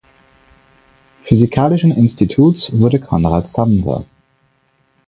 Physikalischen Instituts wurde Konrad Samwer.